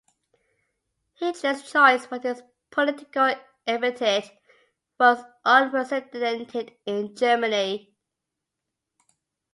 Hitler's choice for this political epithet was unprecedented in Germany.